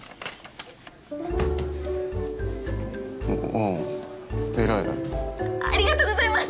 ああ偉い偉いありがとうございます！